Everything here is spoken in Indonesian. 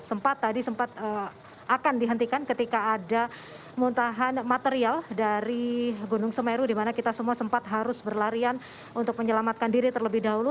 sempat tadi sempat akan dihentikan ketika ada muntahan material dari gunung semeru di mana kita semua sempat harus berlarian untuk menyelamatkan diri terlebih dahulu